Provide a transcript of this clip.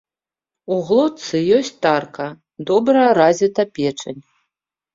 У глотцы ёсць тарка, добра развіта печань.